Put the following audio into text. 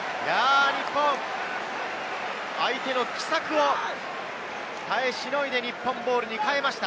相手の奇策を耐えしのいで日本ボールに変えました。